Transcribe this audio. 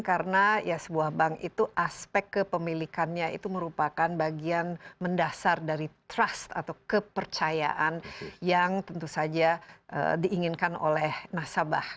karena ya sebuah bank itu aspek kepemilikannya itu merupakan bagian mendasar dari trust atau kepercayaan yang tentu saja diinginkan oleh nasabah